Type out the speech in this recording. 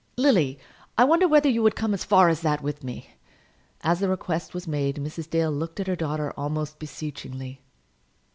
"Lily, I wonder whether you would come as far as that with me." As the request was made Mrs. Dale looked at her daughter almost beseechingly.